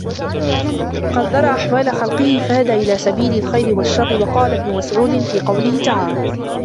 قَدَّرَ أَحْوَالَ خَلْقِهِ فَهَدَى إلَى سَبِيلِ الْخَيْرِ وَالشَّرِّ وَقَالَ ابْنُ مَسْعُودٍ فِي قَوْله تَعَالَى